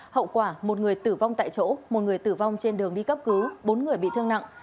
hậu quả một người tử vong tại chỗ một người tử vong trên đường đi cấp cứu bốn người bị thương nặng